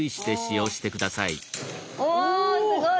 おすごい！